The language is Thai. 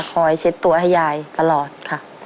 เช็ดตัวให้ยายตลอดค่ะ